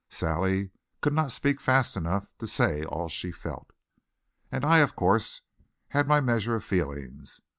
Sally could not speak fast enough to say all she felt. And I, of course, had my measure of feelings.